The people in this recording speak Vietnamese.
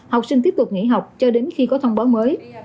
học sinh tiếp tục nghỉ học cho đến khi có thông báo mới